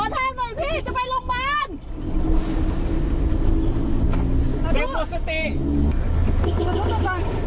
จัดทูตึงก่อนจัดทูตึงก่อน